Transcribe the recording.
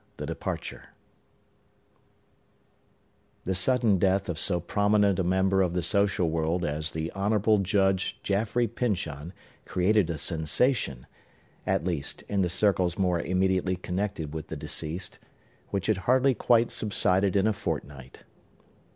The Departure The sudden death of so prominent a member of the social world as the Honorable Judge Jaffrey Pyncheon created a sensation (at least, in the circles more immediately connected with the deceased) which had hardly quite subsided in a fortnight.